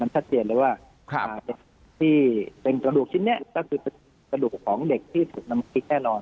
มันชัดเจียดเลยว่าครับที่เป็นกระดูกชิ้นนี้ก็คือเป็นกระดูกของเด็กที่สุดน้ำคิดแน่นอน